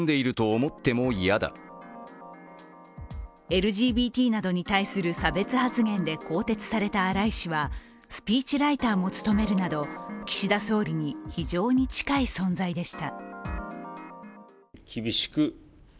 ＬＧＢＴなどに対する差別発言で更迭された荒井氏はスピーチライターも務めるなど岸田総理に非常に近い存在でした。